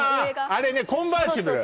あれね「コンバーチブル」